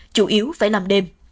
chủ yếu phải làm đêm